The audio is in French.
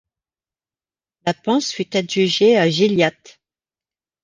La panse fut adjugée à Gilliatt.